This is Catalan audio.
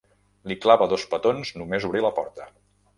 Li clava dos petons només obrir la porta.